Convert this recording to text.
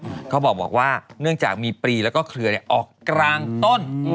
ยึดปลูกบอกว่าเนื่องจากมีปลีและเครือออกกลางต้น